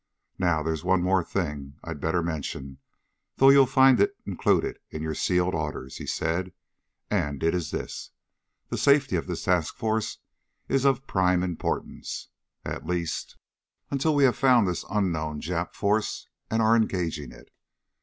"Now, there's one more thing I'd better mention, though you'll find it included in your sealed orders," he said. "And it is this. The safety of this task force is of prime importance. At least, until we have found this unknown Jap force and are engaging it.